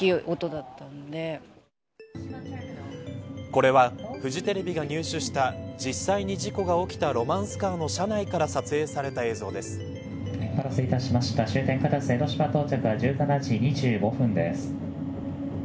これはフジテレビが入手した実際に事故が起きたロマンスカーの車内から撮影された映像です。